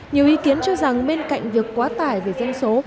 nhiều ý kiến cho rằng bên cạnh việc quá tải về dân số